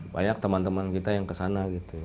banyak teman teman kita yang kesana gitu